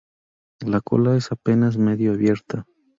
La cola es apenas medio abierta.